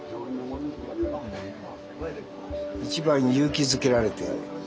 一番勇気づけられて。